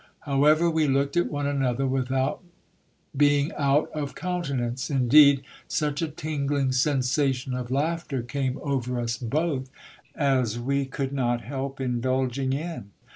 However, we looked at one another without being out of countenance ; indeed, such a tingling sensation of laughter came over us both, 94 GIL BLAS. as we could not help indulging in.